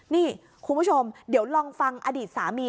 นี่คุณผู้ชมเดี๋ยวลองฟังอดีตสามี